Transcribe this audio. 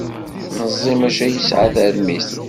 Meẓẓi maca yesεa tarmit.